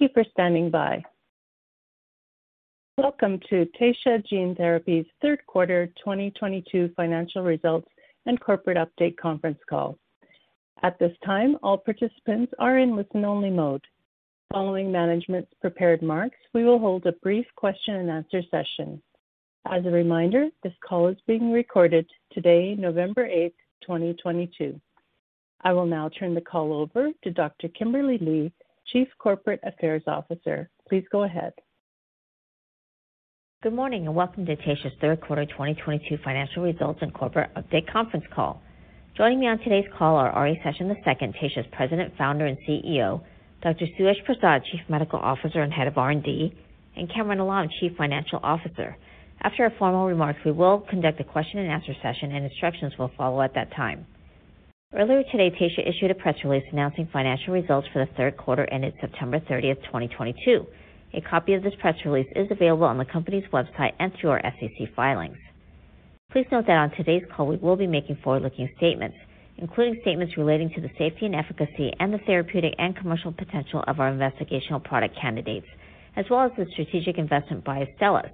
Thank you for standing by. Welcome to Taysha Gene Therapies third quarter 2022 financial results and corporate update conference call. At this time, all participants are in listen-only mode. Following management's prepared remarks, we will hold a brief question and answer session. As a reminder, this call is being recorded today, November 8, 2022. I will now turn the call over to Dr. Kimberly Lee, Chief Corporate Affairs Officer. Please go ahead. Good morning and welcome to Taysha's third quarter 2022 financial results and corporate update conference call. Joining me on today's call are R.A. Session II, Taysha's President, Founder, and CEO, Dr. Suyash Prasad, Chief Medical Officer and Head of R&D, and Kamran Alam, Chief Financial Officer. After our formal remarks, we will conduct a question and answer session, and instructions will follow at that time. Earlier today, Taysha issued a press release announcing financial results for the third quarter ended September 30, 2022. A copy of this press release is available on the company's website and through our SEC filings. Please note that on today's call, we will be making forward-looking statements, including statements relating to the safety and efficacy and the therapeutic and commercial potential of our investigational product candidates, as well as the strategic investment by Astellas.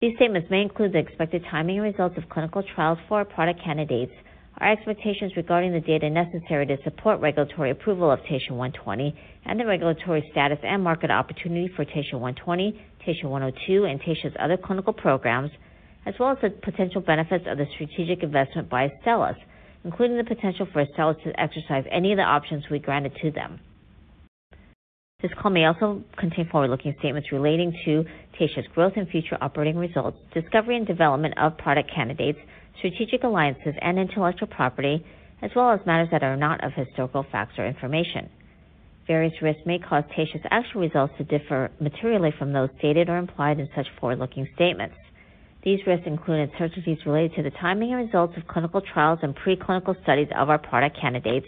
These statements may include the expected timing and results of clinical trials for our product candidates, our expectations regarding the data necessary to support regulatory approval of TSHA-120, and the regulatory status and market opportunity for TSHA-120, TSHA-102, and Taysha's other clinical programs, as well as the potential benefits of the strategic investment by Astellas, including the potential for Astellas to exercise any of the options we granted to them. This call may also contain forward-looking statements relating to Taysha's growth and future operating results, discovery and development of product candidates, strategic alliances and intellectual property, as well as matters that are not of historical facts or information. Various risks may cause Taysha's actual results to differ materially from those stated or implied in such forward-looking statements. These risks include uncertainties related to the timing and results of clinical trials and preclinical studies of our product candidates,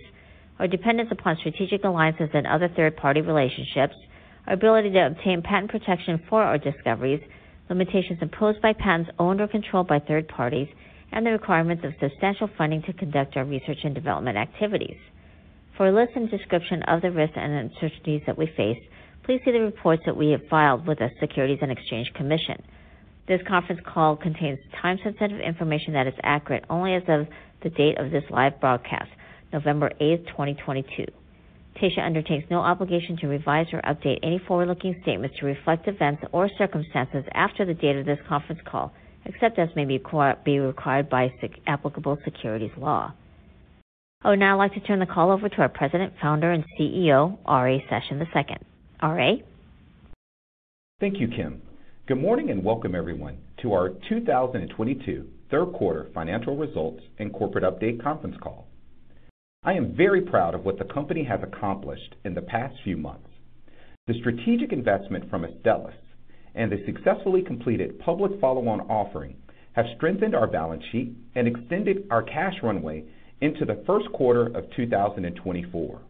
our dependence upon strategic alliances and other third-party relationships, our ability to obtain patent protection for our discoveries, limitations imposed by patents owned or controlled by third parties, and the requirements of substantial funding to conduct our research and development activities. For a list and description of the risks and uncertainties that we face, please see the reports that we have filed with the Securities and Exchange Commission. This conference call contains time-sensitive information that is accurate only as of the date of this live broadcast, November eighth, 2022. Taysha undertakes no obligation to revise or update any forward-looking statements to reflect events or circumstances after the date of this conference call, except as may be required by SEC, applicable securities law. I would now like to turn the call over to our President, Founder, and CEO, R.A. Session II. R.A.? Thank you, Kim. Good morning and welcome everyone to our 2022 third quarter financial results and corporate update conference call. I am very proud of what the company has accomplished in the past few months. The strategic investment from Astellas and the successfully completed public follow-on offering have strengthened our balance sheet and extended our cash runway into the first quarter of 2024.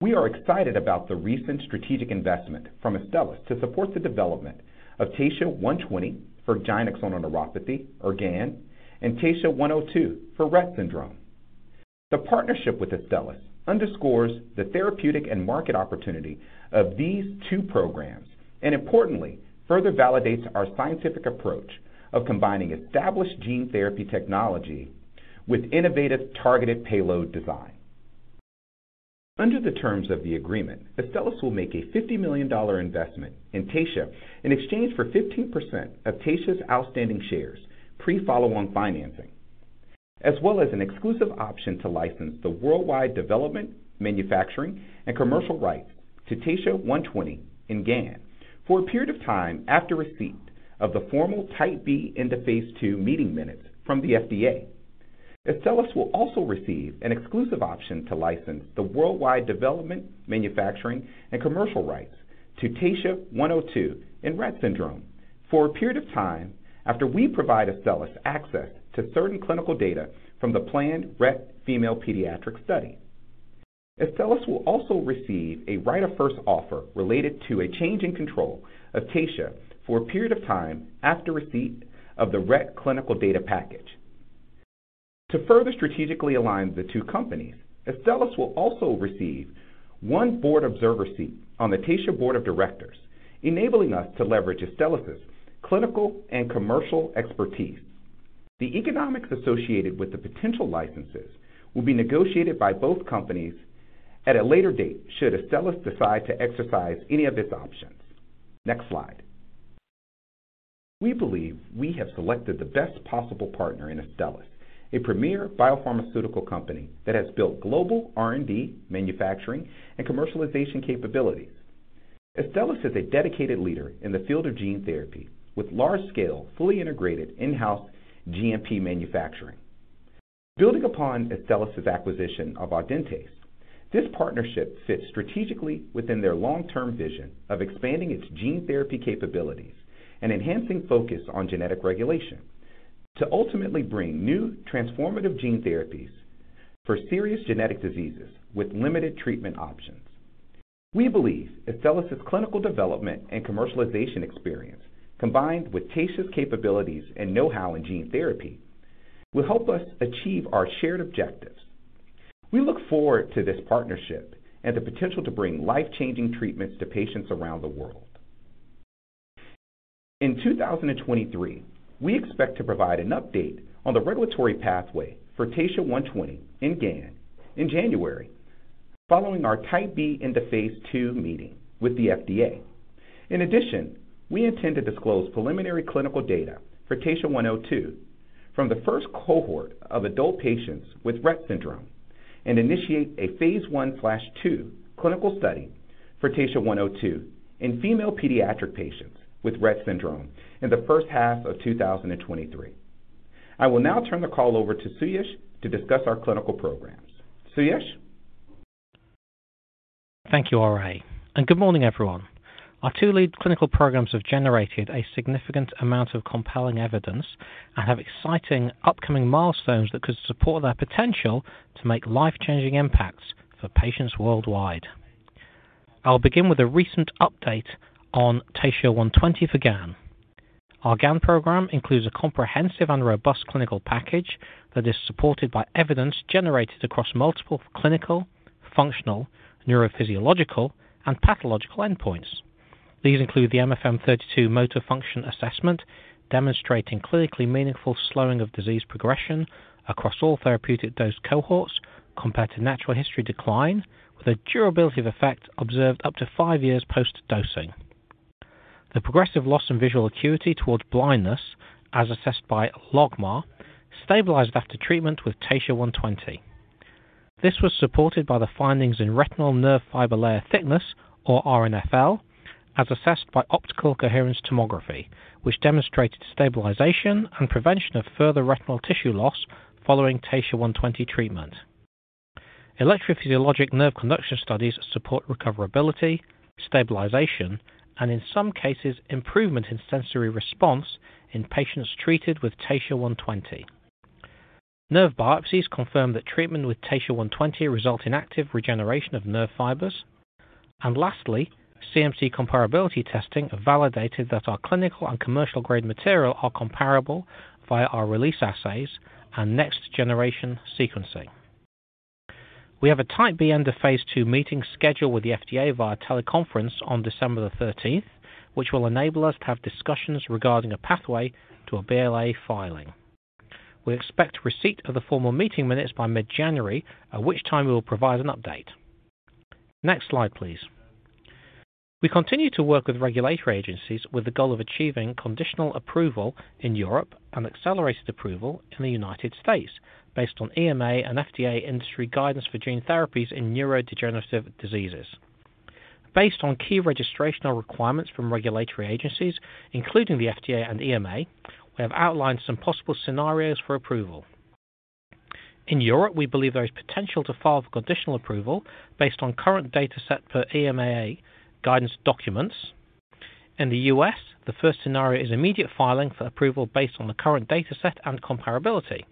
We are excited about the recent strategic investment from Astellas to support the development of TSHA-120 for giant axonal neuropathy or GAN and TSHA-102 for Rett syndrome. The partnership with Astellas underscores the therapeutic and market opportunity of these two programs, and importantly, further validates our scientific approach of combining established gene therapy technology with innovative targeted payload design. Under the terms of the agreement, Astellas will make a $50 million investment in Taysha in exchange for 15% of Taysha's outstanding shares, pre-follow-on financing, as well as an exclusive option to license the worldwide development, manufacturing, and commercial rights to TSHA-120 in GAN for a period of time after receipt of the formal Type B end-of-phase II meeting minutes from the FDA. Astellas will also receive an exclusive option to license the worldwide development, manufacturing, and commercial rights to TSHA-102 in Rett syndrome for a period of time after we provide Astellas access to certain clinical data from the planned Rett female pediatric study. Astellas will also receive a right of first offer related to a change in control of Taysha for a period of time after receipt of the Rett clinical data package. To further strategically align the two companies, Astellas will also receive one board observer seat on the Taysha board of directors, enabling us to leverage Astellas' clinical and commercial expertise. The economics associated with the potential licenses will be negotiated by both companies at a later date should Astellas decide to exercise any of its options. Next slide. We believe we have selected the best possible partner in Astellas, a premier biopharmaceutical company that has built global R&D, manufacturing, and commercialization capabilities. Astellas is a dedicated leader in the field of gene therapy with large-scale, fully integrated in-house GMP manufacturing. Building upon Astellas' acquisition of Audentes, this partnership fits strategically within their long-term vision of expanding its gene therapy capabilities and enhancing focus on genetic regulation to ultimately bring new transformative gene therapies for serious genetic diseases with limited treatment options. We believe Astellas' clinical development and commercialization experience, combined with Taysha's capabilities and know-how in gene therapy will help us achieve our shared objectives. We look forward to this partnership and the potential to bring life-changing treatments to patients around the world. In 2023, we expect to provide an update on the regulatory pathway for TSHA-120 in GAN in January, following our Type B meeting in phase II with the FDA. In addition, we intend to disclose preliminary clinical data for TSHA-102 from the first cohort of adult patients with Rett syndrome and initiate a phase I/II clinical study for TSHA-102 in female pediatric patients with Rett syndrome in the first half of 2023. I will now turn the call over to Suyash to discuss our clinical programs. Suyash? Thank you, R.A. Good morning, everyone. Our two lead clinical programs have generated a significant amount of compelling evidence and have exciting upcoming milestones that could support their potential to make life-changing impacts for patients worldwide. I'll begin with a recent update on TSHA-120 for GAN. Our GAN program includes a comprehensive and robust clinical package that is supported by evidence generated across multiple clinical, functional, neurophysiological, and pathological endpoints. These include the MFM32 Motor Function assessment, demonstrating clinically meaningful slowing of disease progression across all therapeutic dose cohorts compared to natural history decline, with a durability of effect observed up to five years post-dosing. The progressive loss in visual acuity towards blindness, as assessed by logMAR, stabilized after treatment with TSHA-120. This was supported by the findings in retinal nerve fiber layer thickness, or RNFL, as assessed by optical coherence tomography, which demonstrated stabilization and prevention of further retinal tissue loss following TSHA-120 treatment. Electrophysiologic nerve conduction studies support recoverability, stabilization, and in some cases, improvement in sensory response in patients treated with TSHA-120. Nerve biopsies confirm that treatment with TSHA-120 result in active regeneration of nerve fibers. Lastly, CMC comparability testing validated that our clinical and commercial-grade material are comparable via our release assays and next-generation sequencing. We have a Type B end-of-phase II meeting scheduled with the FDA via teleconference on December 13, which will enable us to have discussions regarding a pathway to a BLA filing. We expect receipt of the formal meeting minutes by mid-January, at which time we will provide an update. Next slide, please. We continue to work with regulatory agencies with the goal of achieving conditional approval in Europe and accelerated approval in the United States based on EMA and FDA industry guidance for gene therapies in neurodegenerative diseases. Based on key registrational requirements from regulatory agencies, including the FDA and EMA, we have outlined some possible scenarios for approval. In Europe, we believe there is potential to file for conditional approval based on current dataset per EMA guidance documents. In the U.S., the first scenario is immediate filing for approval based on the current dataset and comparability.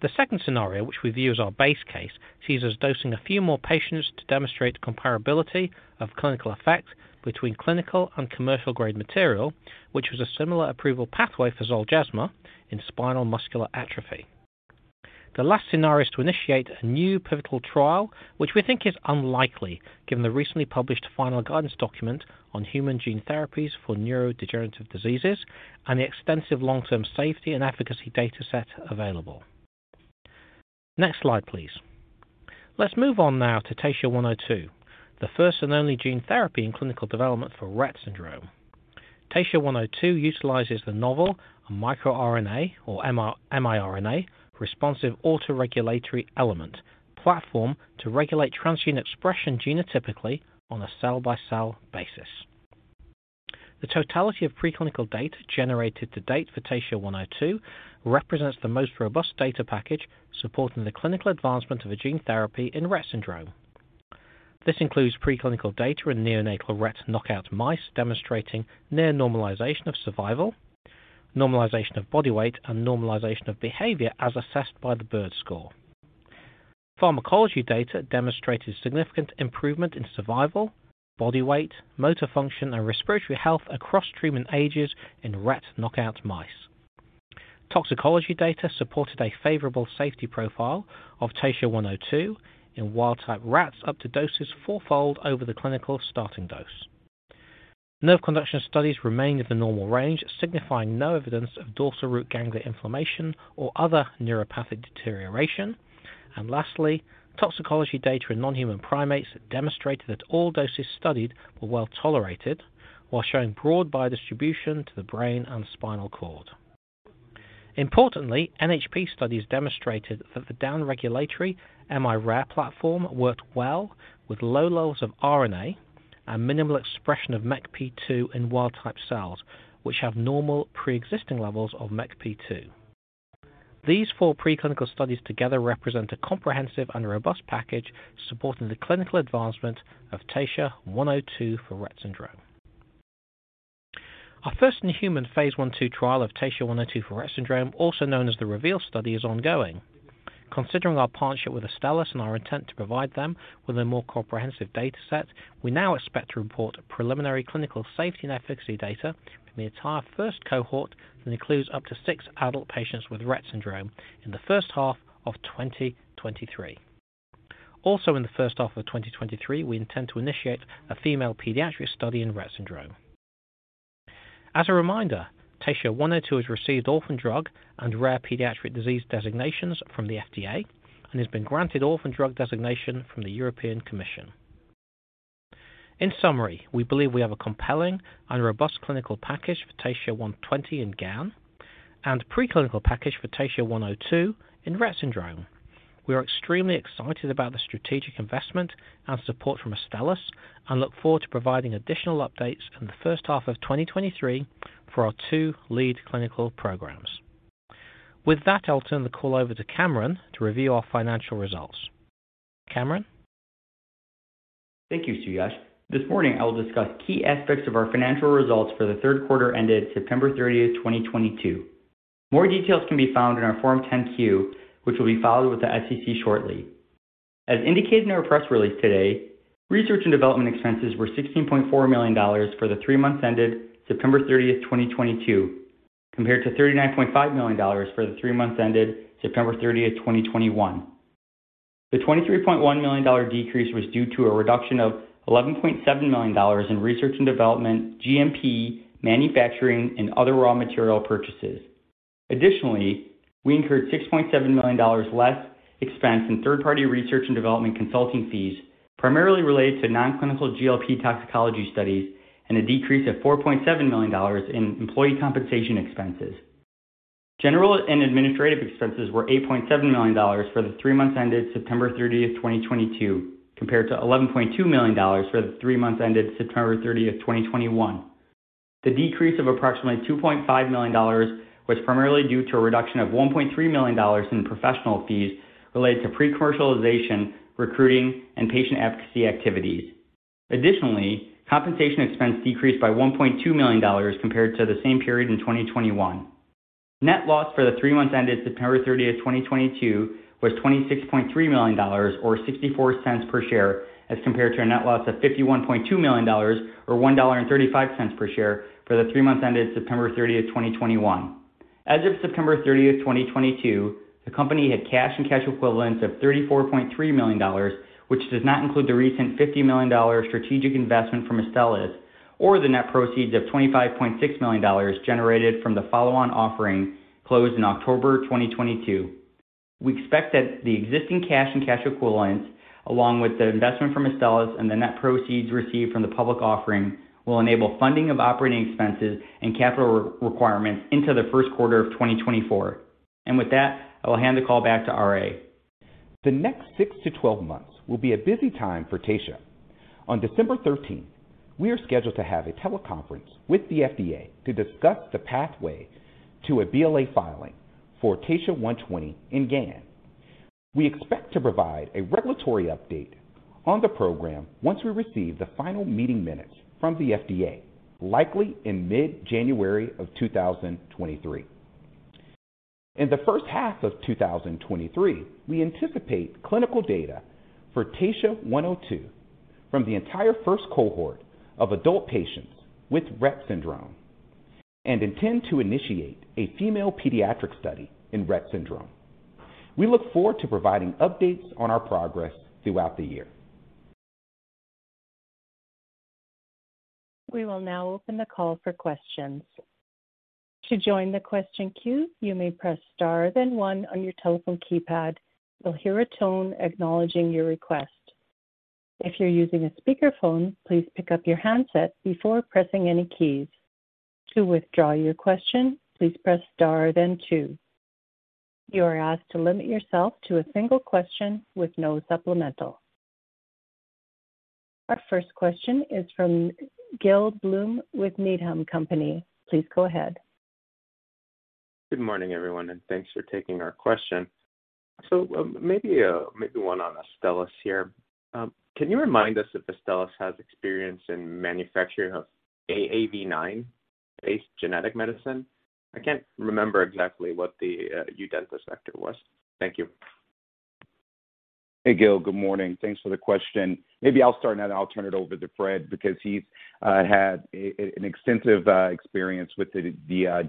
The second scenario, which we view as our base case, sees us dosing a few more patients to demonstrate comparability of clinical effect between clinical and commercial-grade material, which was a similar approval pathway for Zolgensma in spinal muscular atrophy. The last scenario is to initiate a new pivotal trial, which we think is unlikely given the recently published final guidance document on human gene therapies for neurodegenerative diseases and the extensive long-term safety and efficacy dataset available. Next slide, please. Let's move on now to TSHA-102, the first and only gene therapy in clinical development for Rett syndrome. TSHA-102 utilizes the novel microRNA, or miRNA, responsive autoregulatory element platform to regulate transgene expression genotypically on a cell-by-cell basis. The totality of preclinical data generated to date for TSHA-102 represents the most robust data package supporting the clinical advancement of a gene therapy in Rett syndrome. This includes preclinical data in neonatal Rett knockout mice demonstrating near normalization of survival, normalization of body weight, and normalization of behavior as assessed by the Bird Score. Pharmacology data demonstrated significant improvement in survival, body weight, motor function, and respiratory health across treatment ages in Rett knockout mice. Toxicology data supported a favorable safety profile of TSHA-102 in wild-type rats up to doses four-fold over the clinical starting dose. Nerve conduction studies remained in the normal range, signifying no evidence of dorsal root ganglia inflammation or other neuropathic deterioration. Lastly, toxicology data in non-human primates demonstrated that all doses studied were well-tolerated while showing broad biodistribution to the brain and spinal cord. Importantly, NHP studies demonstrated that the down-regulatory miRARE platform worked well with low levels of RNA and minimal expression of MECP2 in wild-type cells, which have normal pre-existing levels of MECP2. These four preclinical studies together represent a comprehensive and robust package supporting the clinical advancement of TSHA-102 for Rett syndrome. Our first-in-human phase I/II trial of TSHA-102 for Rett syndrome, also known as the REVEAL study, is ongoing. Considering our partnership with Astellas and our intent to provide them with a more comprehensive data set, we now expect to report preliminary clinical safety and efficacy data from the entire first cohort that includes up to six adult patients with Rett syndrome in the first half of 2023. Also, in the first half of 2023, we intend to initiate a female pediatric study in Rett syndrome. As a reminder, TSHA-102 has received orphan drug and rare pediatric disease designations from the FDA and has been granted orphan drug designation from the European Commission. In summary, we believe we have a compelling and robust clinical package for TSHA-120 in GAN and preclinical package for TSHA-102 in Rett syndrome. We are extremely excited about the strategic investment and support from Astellas and look forward to providing additional updates in the first half of 2023 for our two lead clinical programs. With that, I'll turn the call over to Kamran to review our financial results. Kamran? Thank you, Suyash. This morning I will discuss key aspects of our financial results for the third quarter ended September 30th, 2022. More details can be found in our Form 10-Q, which will be filed with the SEC shortly. As indicated in our press release today, research and development expenses were $16.4 million for the three months ended September 30th, 2022, compared to $39.5 million for the three months ended September 30th, 2021. The $23.1 million decrease was due to a reduction of $11.7 million in research and development, GMP, manufacturing, and other raw material purchases. Additionally, we incurred $6.7 million less expense in third-party research and development consulting fees, primarily related to non-clinical GLP toxicology studies, and a decrease of $4.7 million in employee compensation expenses. General and administrative expenses were $8.7 million for the three months ended September 30, 2022, compared to $11.2 million for the three months ended September 30, 2021. The decrease of approximately $2.5 million was primarily due to a reduction of $1.3 million in professional fees related to pre-commercialization, recruiting, and patient advocacy activities. Additionally, compensation expense decreased by $1.2 million compared to the same period in 2021. Net loss for the three months ended September 30, 2022 was $26.3 million or $0.64 per share as compared to a net loss of $51.2 million or $1.35 per share for the three months ended September 30, 2021. As of September 30, 2022, the company had cash and cash equivalents of $34.3 million, which does not include the recent $50 million strategic investment from Astellas or the net proceeds of $25.6 million generated from the follow-on offering closed in October 2022. We expect that the existing cash and cash equivalents, along with the investment from Astellas and the net proceeds received from the public offering, will enable funding of operating expenses and capital requirements into the first quarter of 2024. With that, I will hand the call back to R.A.. The next 6 to 12 months will be a busy time for Taysha. On December thirteenth, we are scheduled to have a teleconference with the FDA to discuss the pathway to a BLA filing for TSHA-120 in GAN. We expect to provide a regulatory update on the program once we receive the final meeting minutes from the FDA, likely in mid-January of 2023. In the first half of 2023, we anticipate clinical data for TSHA-102 from the entire first cohort of adult patients with Rett syndrome and intend to initiate a female pediatric study in Rett syndrome. We look forward to providing updates on our progress throughout the year. We will now open the call for questions. To join the question queue, you may press star then one on your telephone keypad. You'll hear a tone acknowledging your request. If you're using a speakerphone, please pick up your handset before pressing any keys. To withdraw your question, please press star then two. You are asked to limit yourself to a single question with no supplemental. Our first question is from Gil Blum with Needham & Company. Please go ahead. Good morning, everyone, and thanks for taking our question. Maybe one on Astellas here. Can you remind us if Astellas has experience in manufacturing of AAV9-based genetic medicine? I can't remember exactly what the Audentes vector was. Thank you. Hey, Gil. Good morning. Thanks for the question. Maybe I'll start, and then I'll turn it over to Fred because he's had an extensive experience with the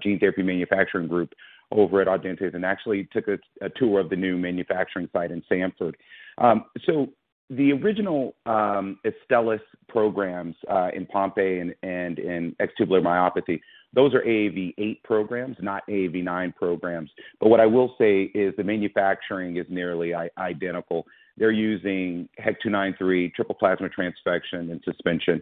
gene therapy manufacturing group over at Audentes and actually took a tour of the new manufacturing site in Sanford. The original Astellas programs in Pompe and in X-linked myotubular myopathy, those are AAV8 programs, not AAV9 programs. What I will say is the manufacturing is nearly identical. They're using HEK293 triple plasmid transfection and suspension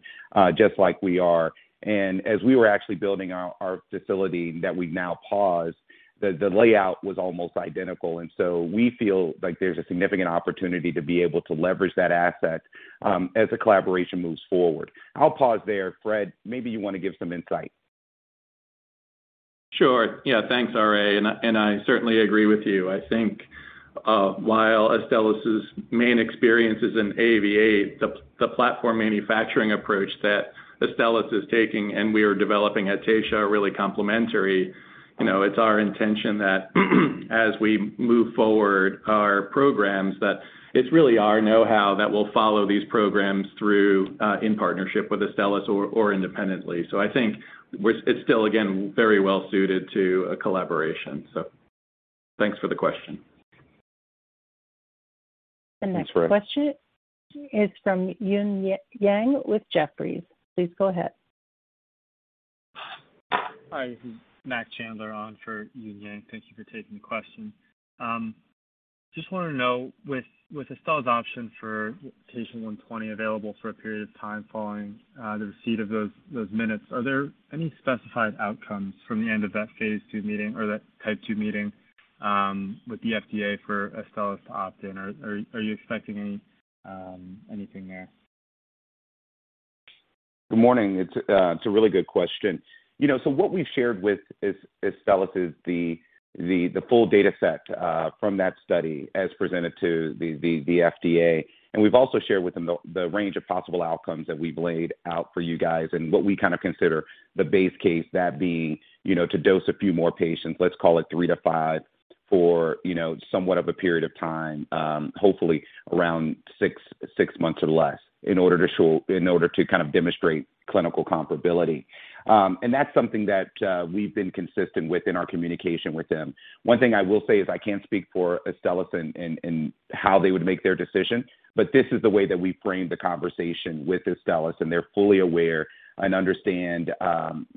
just like we are. As we were actually building our facility that we've now paused, the layout was almost identical. We feel like there's a significant opportunity to be able to leverage that asset as the collaboration moves forward. I'll pause there. Fred, maybe you wanna give some insight. Sure. Yeah. Thanks, R.A.. I certainly agree with you. I think, while Astellas' main experience is in AAV8. The platform manufacturing approach that Astellas is taking, and we are developing at Taysha are really complementary. You know, it's our intention that as we move forward our programs, that it's really our know-how that will follow these programs through, in partnership with Astellas or independently. I think it's still, again, very well suited to a collaboration. Thanks for the question. The next question is from Eun Yang with Jefferies. Please go ahead. Hi. This is Mack Chandler on for Eun Yang. Thank you for taking the question. Just wanted to know, with Astellas' option for TSHA-120 available for a period of time following the receipt of those minutes, are there any specified outcomes from the end of that phase II meeting or that Type B meeting with the FDA for Astellas to opt-in? Are you expecting any anything there? Good morning. It's a really good question. You know, so what we've shared with Astellas is the full dataset from that study as presented to the FDA. We've also shared with them the range of possible outcomes that we've laid out for you guys and what we kind of consider the base case, that being, you know, to dose a few more patients, let's call it 3-5, for, you know, somewhat of a period of time, hopefully around six months or less in order to show in order to kind of demonstrate clinical comparability. That's something that we've been consistent with in our communication with them. One thing I will say is I can't speak for Astellas and how they would make their decision, but this is the way that we framed the conversation with Astellas, and they're fully aware and understand,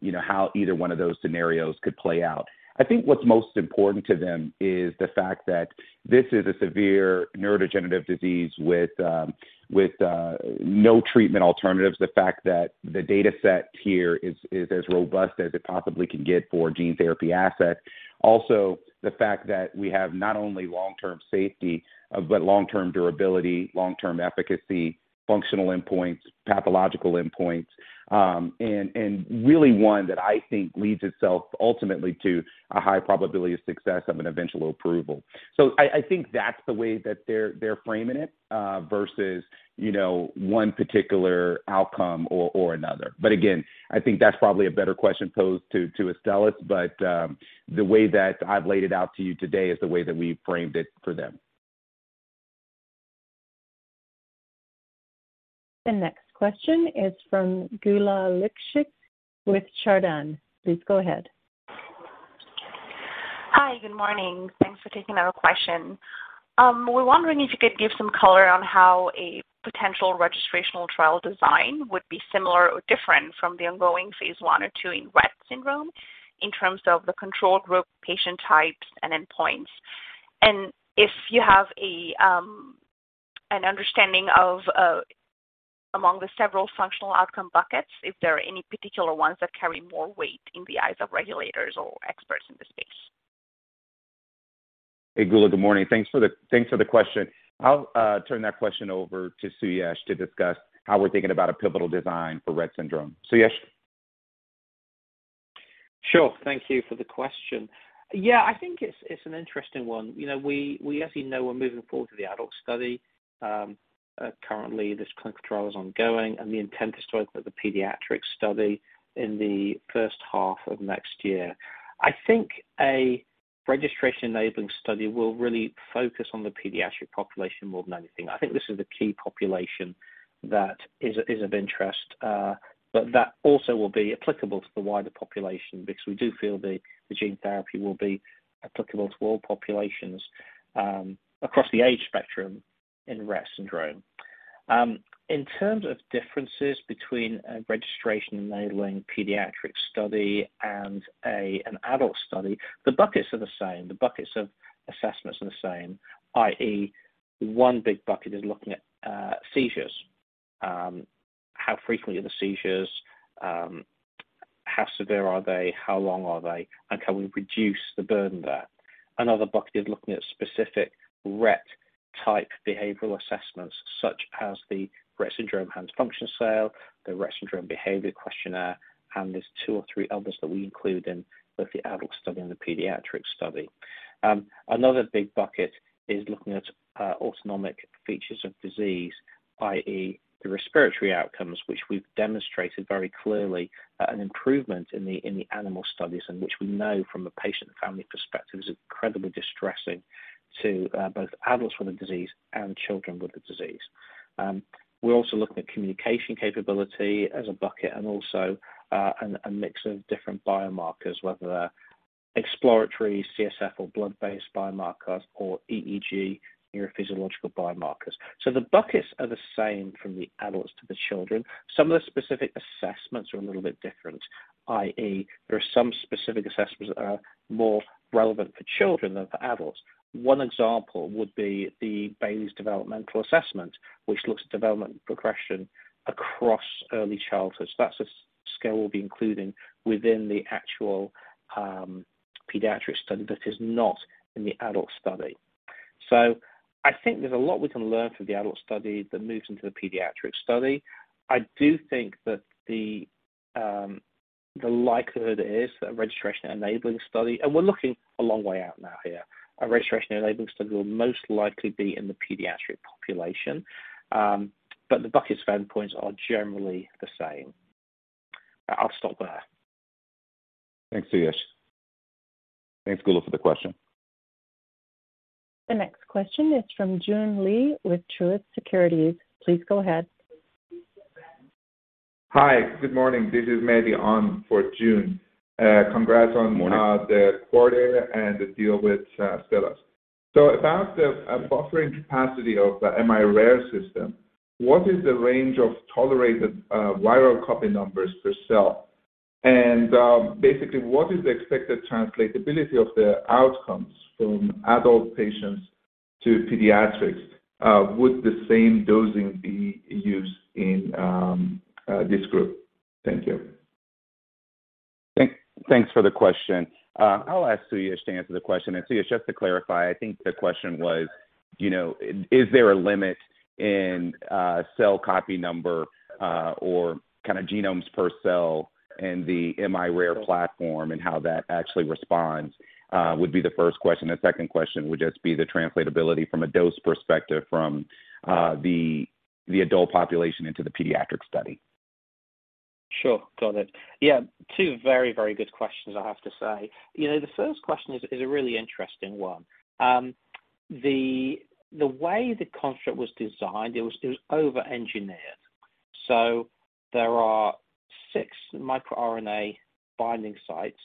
you know, how either one of those scenarios could play out. I think what's most important to them is the fact that this is a severe neurodegenerative disease with no treatment alternatives. The fact that the dataset here is as robust as it possibly can get for gene therapy asset. Also, the fact that we have not only long-term safety, but long-term durability, long-term efficacy, functional endpoints, pathological endpoints, and really one that I think lends itself ultimately to a high probability of success of an eventual approval. I think that's the way that they're framing it versus, you know, one particular outcome or another. But again, I think that's probably a better question posed to Astellas. The way that I've laid it out to you today is the way that we framed it for them. The next question is from Geulah Livshits with Chardan. Please go ahead. Hi. Good morning. Thanks for taking our question. We're wondering if you could give some color on how a potential registrational trial design would be similar or different from the ongoing phase I or II in Rett syndrome in terms of the control group, patient types, and endpoints. If you have an understanding of, among the several functional outcome buckets, if there are any particular ones that carry more weight in the eyes of regulators or experts in the space. Hey, Geulah, good morning. Thanks for the question. I'll turn that question over to Suyash to discuss how we're thinking about a pivotal design for Rett syndrome. Suyash? Sure. Thank you for the question. Yeah, I think it's an interesting one. You know, we actually know we're moving forward to the adult study. Currently this clinical trial is ongoing and the intent is to open up the pediatric study in the first half of next year. I think a registration-enabling study will really focus on the pediatric population more than anything. I think this is the key population that is of interest, but that also will be applicable to the wider population because we do feel the gene therapy will be applicable to all populations across the age spectrum in Rett syndrome. In terms of differences between a registration-enabling pediatric study and an adult study, the buckets are the same. The buckets of assessments are the same, i.e., one big bucket is looking at seizures. How frequently are the seizures? How severe are they? How long are they? Can we reduce the burden there? Another bucket is looking at specific Rett-type behavioral assessments, such as the Rett Syndrome Hand Function Scale, the Rett Syndrome Behavior Questionnaire, and there's two or three others that we include in both the adult study and the pediatric study. Another big bucket is looking at autonomic features of disease, i.e., the respiratory outcomes, which we've demonstrated very clearly an improvement in the animal studies and which we know from a patient and family perspective is incredibly distressing to both adults with the disease and children with the disease. We're also looking at communication capability as a bucket and also a mix of different biomarkers, whether they're exploratory CSF or blood-based biomarkers or EEG neurophysiological biomarkers. The buckets are the same from the adults to the children. Some of the specific assessments are a little bit different, i.e., there are some specific assessments that are more relevant for children than for adults. One example would be the Bayley Scales of Infant and Toddler Development, which looks at development progression across early childhood. That's a scale we'll be including within the actual pediatric study that is not in the adult study. I think there's a lot we can learn from the adult study that moves into the pediatric study. I do think that the likelihood is that registration enabling study, and we're looking a long way out now here. A registration enabling study will most likely be in the pediatric population, but the bucket span points are generally the same. I'll stop there. Thanks, Suyash. Thanks, Geulah, for the question. The next question is from Joon Lee with Truist Securities. Please go ahead. Hi. Good morning. This is Mehdi on for Joon. Congrats on- Good morning. About the quarter and the deal with Astellas. About the buffering capacity of the miRARE system, what is the range of tolerated viral copy numbers per cell? And, basically, what is the expected translatability of the outcomes from adult patients to pediatrics? Would the same dosing be used in this group? Thank you. Thanks for the question. I'll ask Suyash to answer the question. Suyash, just to clarify, I think the question was, you know, is there a limit in cell copy number or kind of genomes per cell in the miRARE platform and how that actually responds would be the first question. The second question would just be the translatability from a dose perspective from the adult population into the pediatric study. Sure. Got it. Yeah. Two very, very good questions, I have to say. You know, the first question is a really interesting one. The way the construct was designed, it was over-engineered. So there are six microRNA binding sites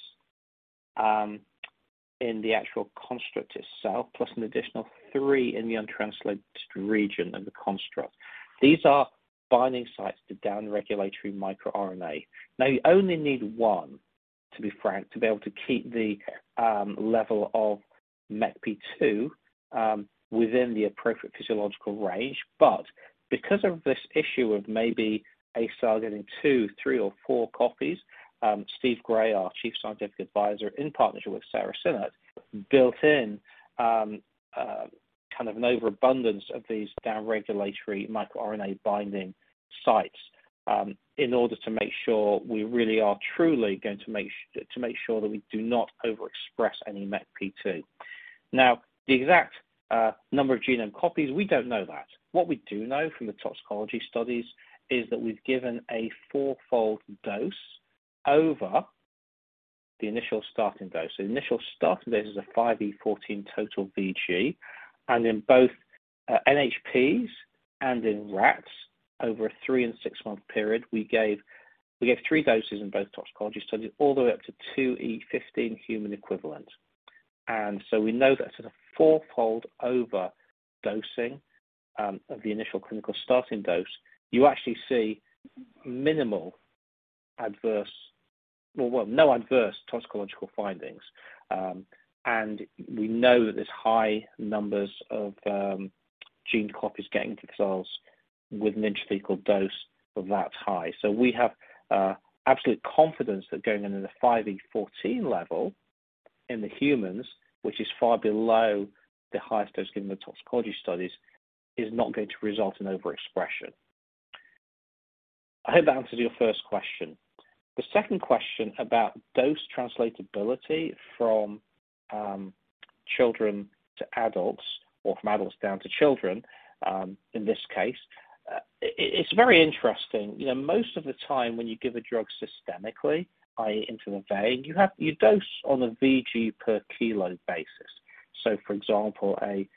in the actual construct itself, plus an additional three in the untranslated region of the construct. These are binding sites to down-regulatory microRNA. Now, you only need one, to be frank, to be able to keep the level of MECP2 within the appropriate physiological range. Because of this issue of maybe a cell getting two, three or four copies, Steven Gray, our chief scientific advisor, in partnership with Sarah Sinnett, built in a kind of an overabundance of these down-regulatory microRNA binding sites in order to make sure we really are truly going to make sure that we do not overexpress any MECP2. Now, the exact number of genome copies, we don't know that. What we do know from the toxicology studies is that we've given a four-fold dose over the initial starting dose. Initial starting dose is 5 × 10^14 total VG. In both NHPs and in rats over a three and six-month period, we gave three doses in both toxicology studies all the way up to 2 × 10^15 human equivalent. We know that a 4-fold overdosing of the initial clinical starting dose, you actually see no adverse toxicological findings. We know that there's high numbers of gene copies getting into the cells with an intrathecal dose of that high. We have absolute confidence that going in at a 5e14 level in the humans, which is far below the highest dose given the toxicology studies, is not going to result in overexpression. I hope that answers your first question. The second question about dose translatability from children to adults or from adults down to children, in this case, it's very interesting. You know, most of the time when you give a drug systemically, i.e., into the vein, you dose on a VG per kilo basis. For example, a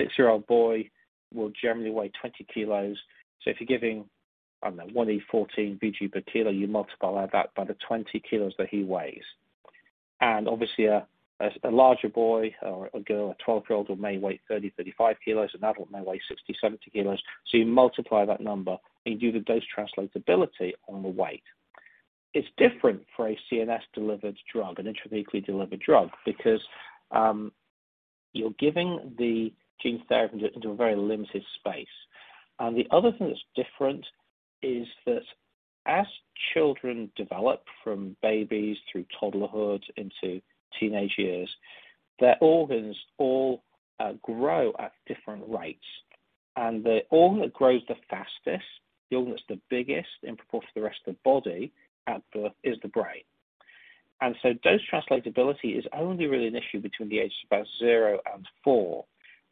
6-year-old boy will generally weigh 20 kg. If you're giving, I don't know, 1e14 VG per kilo, you multiply that by the 20 kg that he weighs. Obviously a larger boy or a girl, a 12-year-old may weigh 30-35 kg. An adult may weigh 60-70 kg. You multiply that number and do the dose translatability on the weight. It's different for a CNS-delivered drug, an intrathecally delivered drug, because you're giving the gene therapy into a very limited space. The other thing that's different is that as children develop from babies through toddlerhood into teenage years, their organs all grow at different rates. The organ that grows the fastest, the organ that's the biggest in proportion to the rest of the body at birth is the brain. Dose translatability is only really an issue between the ages of about zero and four.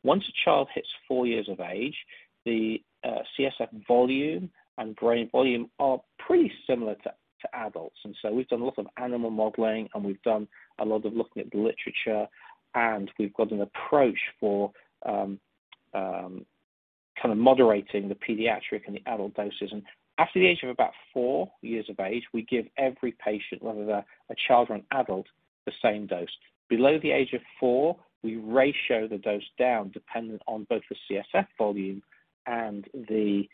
Once a child hits four years of age, the CSF volume and brain volume are pretty similar to adults. We've done a lot of animal modeling, and we've done a lot of looking at the literature, and we've got an approach for kind of moderating the pediatric and the adult doses. After the age of about four years of age, we give every patient, whether they're a child or an adult, the same dose. Below the age of four, we ratio the dose down dependent on both the CSF volume and the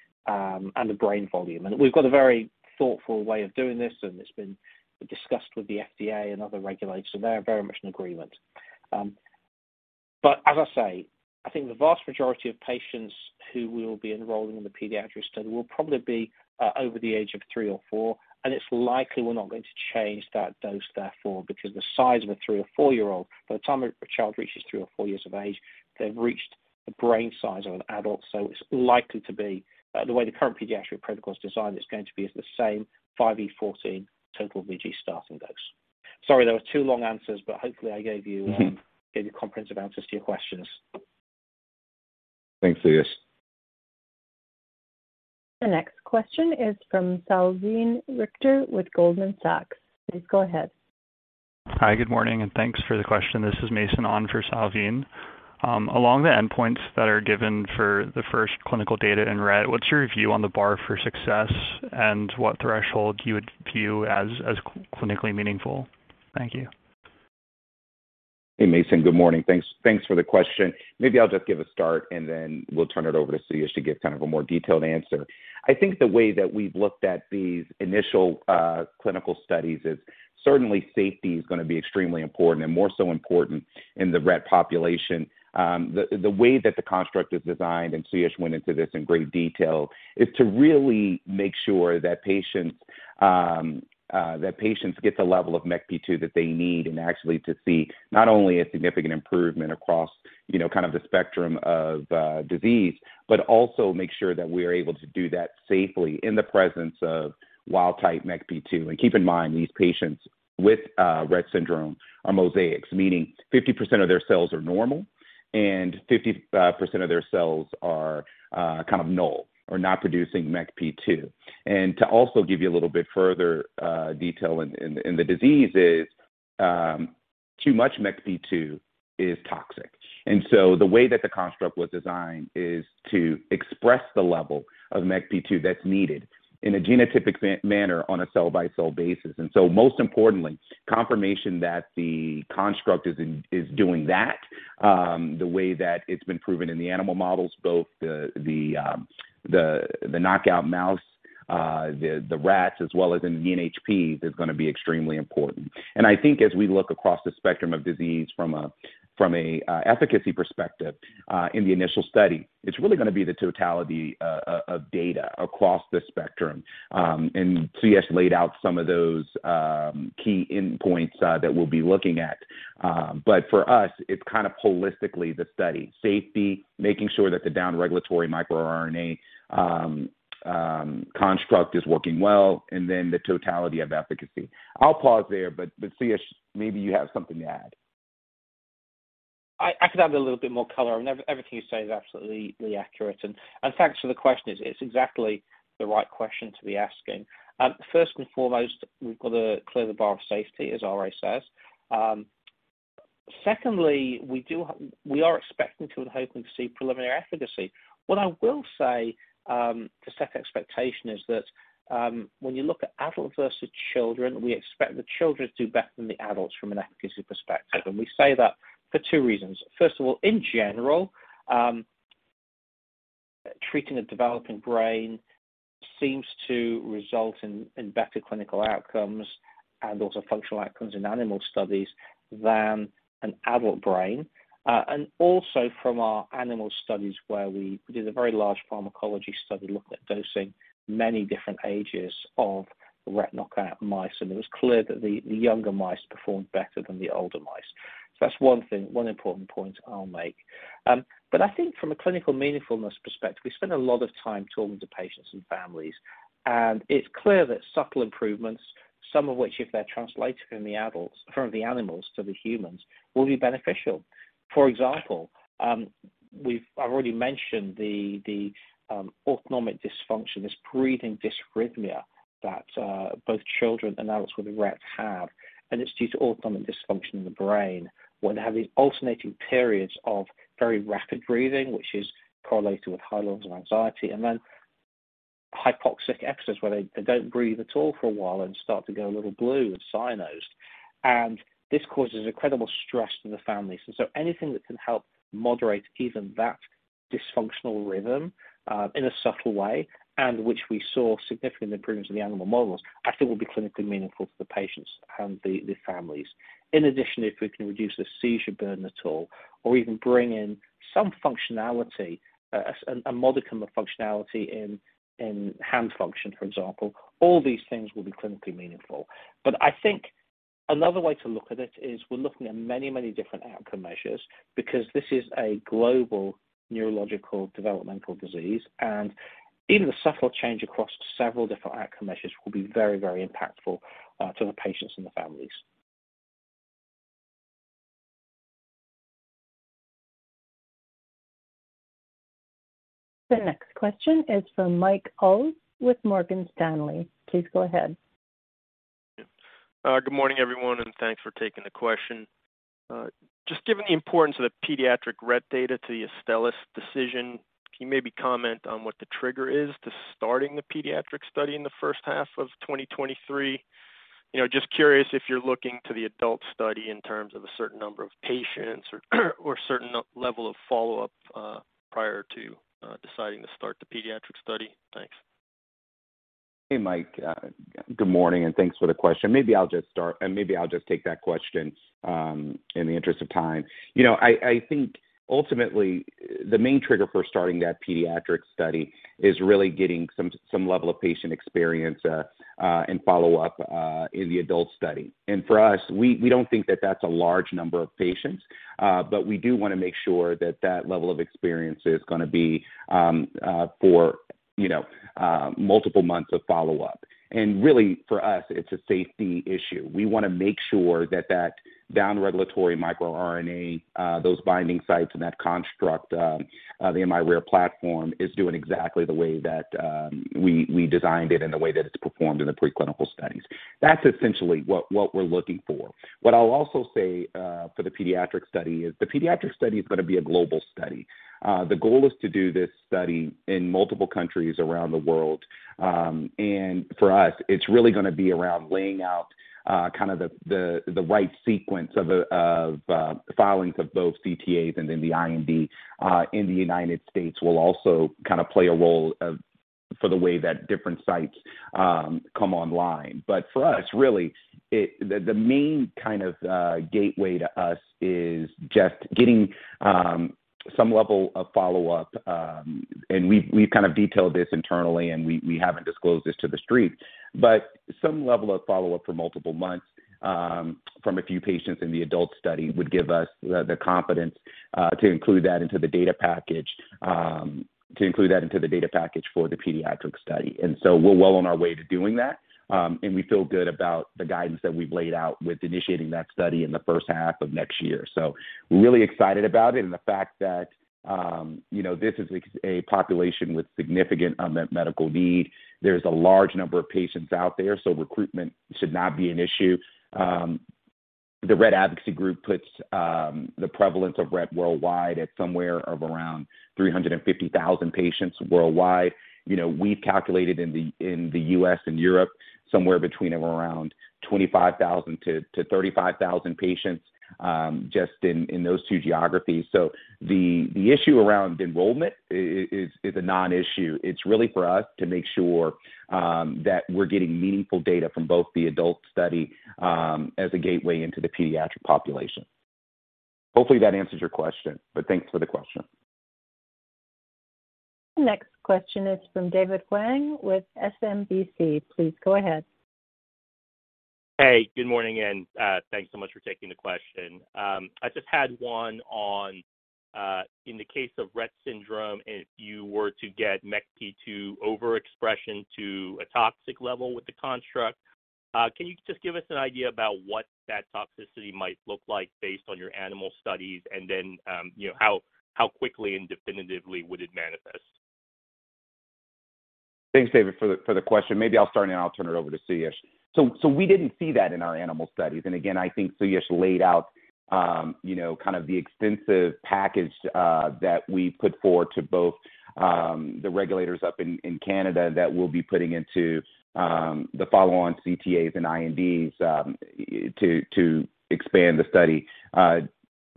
brain volume. We've got a very thoughtful way of doing this, and it's been discussed with the FDA and other regulators, and they are very much in agreement. As I say, I think the vast majority of patients who will be enrolling in the pediatric study will probably be over the age of three or four, and it's likely we're not going to change that dose therefore, because the size of a three- or four-year-old, by the time a child reaches three or four years of age, they've reached the brain size of an adult. It's likely to be the way the current pediatric protocol is designed, it's going to be the same 5 E 14 total VG starting dose. Sorry, that was two long answers, but hopefully I gave you comprehensive answers to your questions. Thanks, Suyash. The next question is from Salveen Richter with Goldman Sachs. Please go ahead. Hi, good morning, and thanks for the question. This is Mason on for Salveen. Along the endpoints that are given for the first clinical data in Rett, what's your view on the bar for success, and what threshold you would view as clinically meaningful? Thank you. Hey, Mason. Good morning. Thanks for the question. Maybe I'll just give a start, and then we'll turn it over to Suyash to give kind of a more detailed answer. I think the way that we've looked at these initial clinical studies is certainly safety is gonna be extremely important and more so important in the Rett population. The way that the construct is designed, and Suyash went into this in great detail, is to really make sure that patients get the level of MECP2 that they need and actually to see not only a significant improvement across, you know, kind of the spectrum of disease, but also make sure that we are able to do that safely in the presence of wild-type MECP2. Keep in mind, these patients with Rett syndrome are mosaics, meaning 50% of their cells are normal and 50% of their cells are kind of null or not producing MECP2. To also give you a little bit further detail in the disease is too much MECP2 is toxic. The way that the construct was designed is to express the level of MECP2 that's needed in a genotypic manner on a cell-by-cell basis. Most importantly, confirmation that the construct is doing that the way that it's been proven in the animal models, both the knockout mouse, the rats, as well as in NHP, is gonna be extremely important. I think as we look across the spectrum of disease from a efficacy perspective, in the initial study, it's really gonna be the totality of data across the spectrum. Suyash laid out some of those key endpoints that we'll be looking at. For us, it's kind of holistically the study. Safety, making sure that the down-regulatory microRNA construct is working well, and then the totality of efficacy. I'll pause there, but Suyash, maybe you have something to add. I could add a little bit more color. Everything you say is absolutely accurate. Thanks for the question. It's exactly the right question to be asking. First and foremost, we've got to clear the bar of safety, as R.A. says. Secondly, we are expecting to and hoping to see preliminary efficacy. What I will say to set expectation is that when you look at adult versus children, we expect the children to do better than the adults from an efficacy perspective. We say that for two reasons. First of all, in general, treating a developing brain seems to result in better clinical outcomes and also functional outcomes in animal studies than an adult brain. From our animal studies where we did a very large pharmacology study looking at dosing many different ages of Rett knockout mice, and it was clear that the younger mice performed better than the older mice. That's one thing, one important point I'll make. I think from a clinical meaningfulness perspective, we spend a lot of time talking to patients and families, and it's clear that subtle improvements, some of which if they're translated from the animals to the humans, will be beneficial. For example, I've already mentioned the autonomic dysfunction, this breathing dysrhythmia that both children and adults with Rett have, and it's due to autonomic dysfunction in the brain. When they have these alternating periods of very rapid breathing, which is correlated with high levels of anxiety, and then hypoxic episodes where they don't breathe at all for a while and start to go a little blue and cyanosed. This causes incredible stress to the families. Anything that can help moderate even that dysfunctional rhythm in a subtle way, and which we saw significant improvements in the animal models, I think will be clinically meaningful to the patients and the families. In addition, if we can reduce the seizure burden at all or even bring in some functionality, a modicum of functionality in hand function, for example, all these things will be clinically meaningful. I think another way to look at it is we're looking at many, many different outcome measures because this is a global neurological developmental disease, and even a subtle change across several different outcome measures will be very, very impactful to the patients and the families. The next question is from Mike Ulz with Morgan Stanley. Please go ahead. Good morning, everyone, and thanks for taking the question. Just given the importance of the pediatric Rett data to the Astellas decision, can you maybe comment on what the trigger is to starting the pediatric study in the first half of 2023? You know, just curious if you're looking to the adult study in terms of a certain number of patients or certain n-level of follow-up prior to deciding to start the pediatric study. Thanks. Hey, Mike. Good morning, and thanks for the question. Maybe I'll just take that question in the interest of time. You know, I think ultimately the main trigger for starting that pediatric study is really getting some level of patient experience and follow-up in the adult study. For us, we don't think that that's a large number of patients, but we do wanna make sure that that level of experience is gonna be for, you know, multiple months of follow-up. Really, for us, it's a safety issue. We wanna make sure that that down-regulatory microRNA, those binding sites and that construct, the miRARE platform is doing exactly the way that we designed it and the way that it's performed in the preclinical studies. That's essentially what we're looking for. What I'll also say for the pediatric study is the pediatric study is gonna be a global study. The goal is to do this study in multiple countries around the world. For us, it's really gonna be around laying out kind of the right sequence of filings of both CTAs and then the IND in the United States will also kinda play a role for the way that different sites come online. For us, really, the main kind of gateway to us is just getting some level of follow-up, and we've kind of detailed this internally, and we haven't disclosed this to the street, but some level of follow-up for multiple months from a few patients in the adult study would give us the confidence to include that into the data package for the pediatric study. We're well on our way to doing that, and we feel good about the guidance that we've laid out with initiating that study in the first half of next year. We're really excited about it and the fact that, you know, this is a population with significant unmet medical need. There's a large number of patients out there, so recruitment should not be an issue. The Rett Advocacy Group puts the prevalence of Rett worldwide at somewhere around 350,000 patients worldwide. You know, we've calculated in the U.S. and Europe somewhere between around 25,000-35,000 patients, just in those two geographies. The issue around enrollment is a non-issue. It's really for us to make sure that we're getting meaningful data from both the adult study as a gateway into the pediatric population. Hopefully, that answers your question, but thanks for the question. Next question is from David Hoang with SMBC. Please go ahead. Hey, good morning, thanks so much for taking the question. I just had one on in the case of Rett syndrome, if you were to get MECP2 overexpression to a toxic level with the construct, can you just give us an idea about what that toxicity might look like based on your animal studies? Then, you know, how quickly and definitively would it manifest? Thanks, David, for the question. Maybe I'll start, and then I'll turn it over to Suyash. We didn't see that in our animal studies. Again, I think Suyash laid out, you know, kind of the extensive package that we put forward to both the regulators up in Canada that we'll be putting into the follow-on CTAs and INDs to expand the study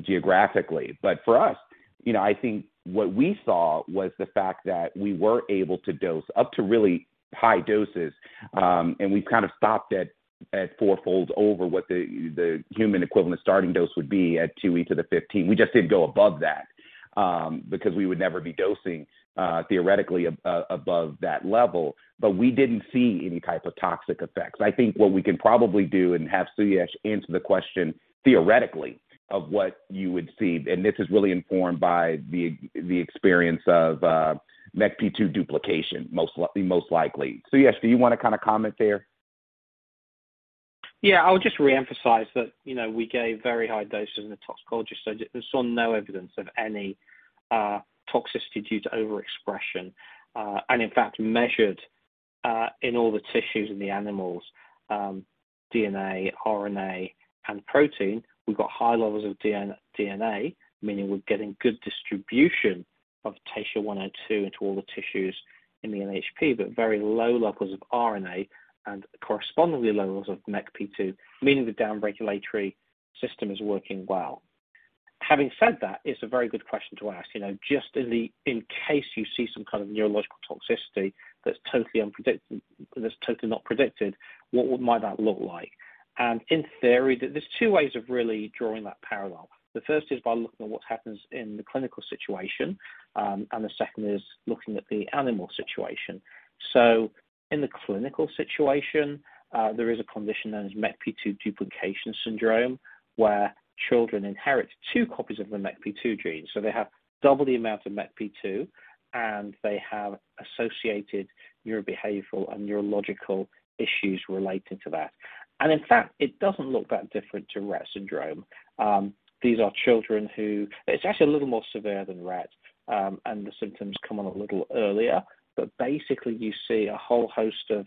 geographically. For us, you know, I think what we saw was the fact that we were able to dose up to really high doses, and we've kind of stopped at four-fold over what the human equivalent starting dose would be at 2 E to the 15. We just didn't go above that, because we would never be dosing, theoretically above that level, but we didn't see any type of toxic effects. I think what we can probably do and have Suyash answer the question theoretically of what you would see, and this is really informed by the experience of MECP2 duplication, most likely. Suyash, do you wanna kinda comment there? Yeah. I would just reemphasize that, you know, we gave very high doses in the toxicology study. There's still no evidence of any toxicity due to overexpression. In fact, measured in all the tissues in the animals, DNA, RNA, and protein, we've got high levels of DNA, meaning we're getting good distribution of TSHA-102 into all the tissues in the NHP, but very low levels of RNA and correspondingly levels of MECP2, meaning the down-regulatory system is working well. Having said that, it's a very good question to ask, you know, just in case you see some kind of neurological toxicity that's totally not predicted, what might that look like? In theory, there's two ways of really drawing that parallel. The first is by looking at what happens in the clinical situation, and the second is looking at the animal situation. In the clinical situation, there is a condition known as MECP2 duplication syndrome, where children inherit two copies of the MECP2 gene. They have double the amount of MECP2, and they have associated neurobehavioral and neurological issues relating to that. In fact, it doesn't look that different to Rett syndrome. These are children. It's actually a little more severe than Rett, and the symptoms come on a little earlier. Basically, you see a whole host of